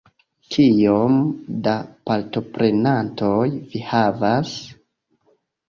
Kiom da partoprenantoj vi havas?